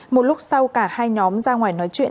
một lúc sau cả hai nhóm ra ngoài nói chuyện